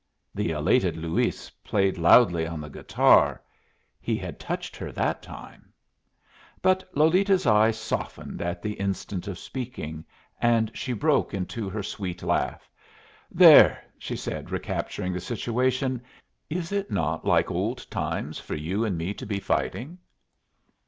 The elated Luis played loudly on the guitar. He had touched her that time. But Lolita's eye softened at the instant of speaking, and she broke into her sweet laugh. "There!" she said, recapturing the situation; "is it not like old times for you and me to be fighting."